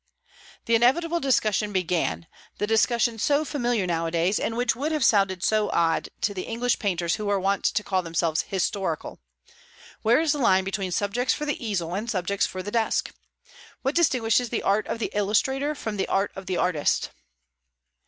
The inevitable discussion began, the discussion so familiar nowadays, and which would have sounded so odd to the English painters who were wont to call themselves "historical." Where is the line between subjects for the easel and subjects for the desk? What distinguishes the art of the illustrator from the art of the artist?